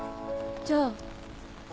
じゃあ。